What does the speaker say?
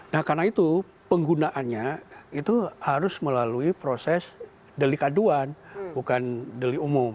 nah karena itu penggunaannya itu harus melalui proses delikaduan bukan delik umum